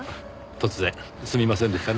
突然すみませんでしたね。